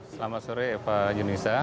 selamat sore pak junisa